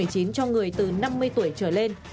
cho người từ năm mươi tuổi trở lên